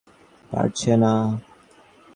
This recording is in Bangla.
শূকরেরা সৌভাগ্য সৃষ্টি করতে পারছে না।